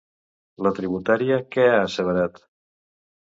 La tributària què ha asseverat?